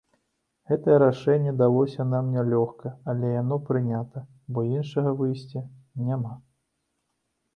Гэтае рашэнне далося нам нялёгка, але яно прынята, бо іншага выйсця няма.